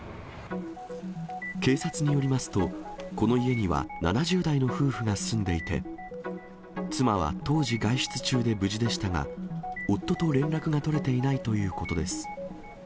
警察によりますと、この家には、７０代の夫婦が住んでいて、妻は当時外出中で無事でしたが、夫と連絡が取れていないということです。